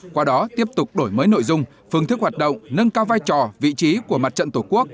qua đó tiếp tục đổi mới nội dung phương thức hoạt động nâng cao vai trò vị trí của mặt trận tổ quốc